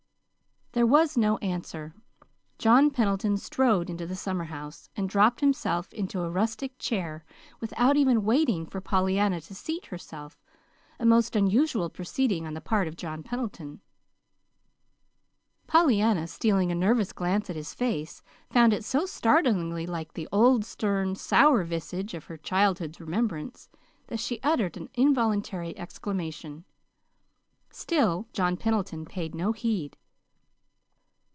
There was no answer. John Pendleton strode into the summerhouse and dropped himself into a rustic chair without even waiting for Pollyanna to seat herself a most unusual proceeding on the part of John Pendleton. Pollyanna, stealing a nervous glance at his face found it so startlingly like the old stern, sour visage of her childhood's remembrance, that she uttered an involuntary exclamation. Still John Pendleton paid no heed.